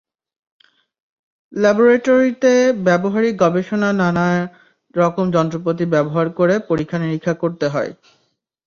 ল্যাবরেটরিতে ব্যবহারিক গবেষণা নানা রকম যন্ত্রপাতি ব্যবহার করে পরীক্ষা-নিরীক্ষা করতে হয়।